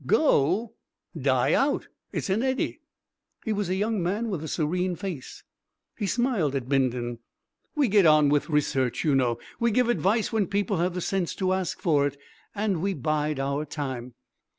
"Go?" "Die out. It's an eddy." He was a young man with a serene face. He smiled at Bindon. "We get on with research, you know; we give advice when people have the sense to ask for it. And we bide our time."